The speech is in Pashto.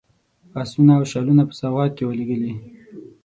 آسونه او شالونه په سوغات کې ولېږلي.